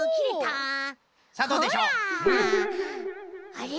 あれ？